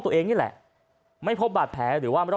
ตัวเองนี่แหละ